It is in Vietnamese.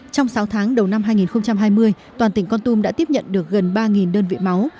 trong sáu tháng đầu năm hai nghìn hai mươi toàn tỉnh con tum đã tiếp nhận được gần ba đơn vị máu